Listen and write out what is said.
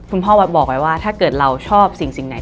พ่อวัดบอกไว้ว่าถ้าเกิดเราชอบสิ่งไหน